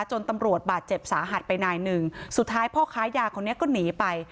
จนตำรวจบาดเจ็บสาหัสไปนายหนึ่งสุดท้ายพ่อค้ายาคนนี้ก็หนีไป